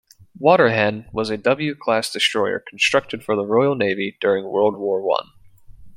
"Waterhen" was a W-class destroyer constructed for the Royal Navy during World War One.